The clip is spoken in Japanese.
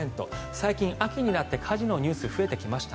最近秋になって火事のニュース増えてきました。